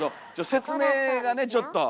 説明がねちょっと。